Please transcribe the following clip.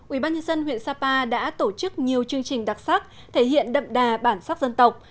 ubnd huyện sapa đã tổ chức nhiều chương trình đặc sắc thể hiện đậm đà bản sắc dân tộc